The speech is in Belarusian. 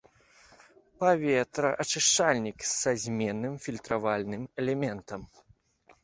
Паветраачышчальнік са зменным фільтравальным элементам.